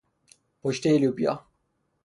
پشتهی لوبیا